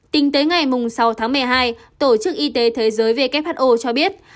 tính tới ngày sáu tháng một mươi hai tổ chức y tế thế giới who cho biết